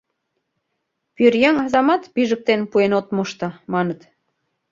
Пӧръеҥ азамат пижыктен пуэн от мошто!» — маныт.